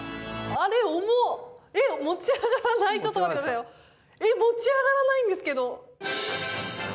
あれ持ち上がらないんですけど。